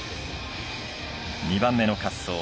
２番目の滑走。